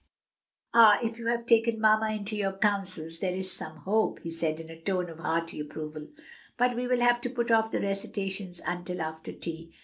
"Ah, if you have taken mamma into your counsels there is some hope," he said in a tone of hearty approval. "But we will have to put off the recitations until after tea.